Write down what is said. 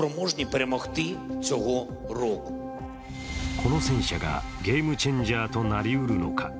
この戦車がゲームチェンジャーとなりうるのか。